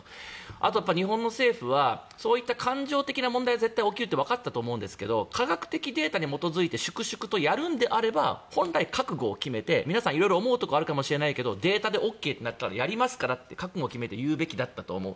あと、日本の政府はそういった感情的な問題が起きるとわかったと思うんですけど科学的なデータに基づいて粛々とやるのであれば本来覚悟を決めて皆さん思うところはあるかもしれませんがデータを見てＯＫとなったらやりますって覚悟を決めて言うべきだったと思う。